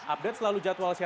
update selalu jadwal